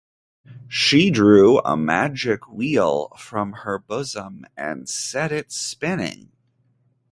She drew a magic wheel from her bosom and set it spinning.